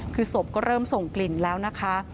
คือศพก็เริ่มส่งกลิ่นแล้วนะคะ